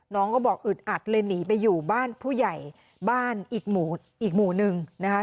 น้องก็บอกอึดอัดเลยหนีไปอยู่บ้านผู้ใหญ่บ้านอีกหมู่อีกหมู่หนึ่งนะคะ